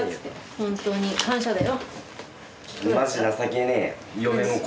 本当に感謝だよ。